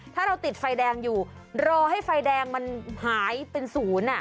ถ้าเราติดไฟแดงอยู่รอให้ไฟแดงมันหายเป็นศูนย์